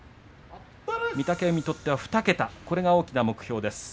御嶽海にとっては２桁これが大きな目標です。